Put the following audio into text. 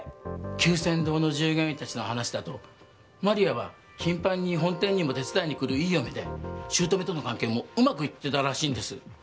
久泉堂の従業員たちの話だと万里亜は頻繁に本店にも手伝いにくるいい嫁で姑との関係もうまくいってたらしいんです。